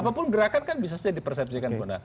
apapun gerakan kan bisa saja dipersepsikan guna